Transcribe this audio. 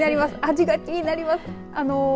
味が気になります。